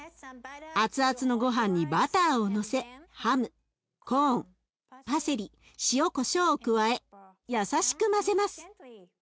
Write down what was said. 熱々のごはんにバターをのせハムコーンパセリ塩こしょうを加え優しく混ぜます。